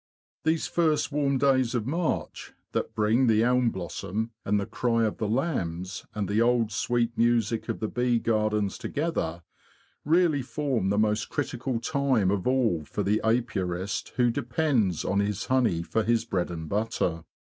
These first warm days of March, that bring the elm blossom, and the cry of the lambs, and the old sweet music of the bee gardens together, really BEES AND THEIR MASTERS 123 form the most critical time of all for the apiarist who depends on his honey for his bread and butter.